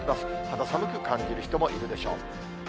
肌寒く感じる人もいるでしょう。